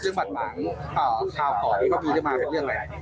เชื่อฝันหวังข่าวข่อยพี่จะมาเป็นเรื่องอะไร